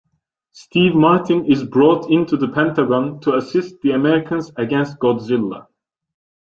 Steve Martin is brought into the Pentagon to assist the Americans against Godzilla.